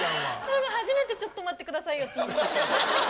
初めて「ちょっと待ってくださいよ」って言いました。